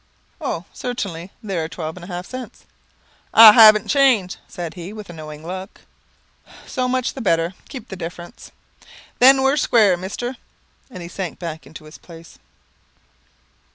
"Oh, certainly, there are twelve and a half cents." "I hav'nt change," said he, with a knowing look. "So much the better; keep the difference." "Then we're square, mister," and he sank back into his place.